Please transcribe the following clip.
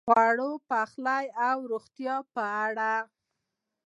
د خوړو، پخلی او روغتیا په اړه: